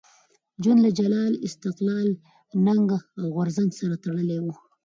ژوند له جلال، استقلال، ننګ او غورځنګ سره تړلی وو.